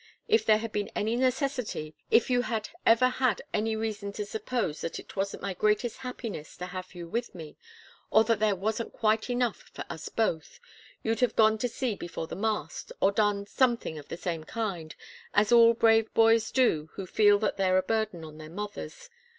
If there had been any necessity, if you had ever had reason to suppose that it wasn't my greatest happiness to have you with me or that there wasn't quite enough for us both you'd have just gone to sea before the mast, or done something of the same kind, as all brave boys do who feel that they're a burden on their mothers.